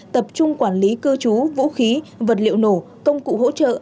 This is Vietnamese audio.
tập trung quản lý cư trú vũ khí vật liệu nổ công cụ hỗ trợ